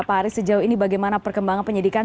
pak haris sejauh ini bagaimana perkembangan penyidikan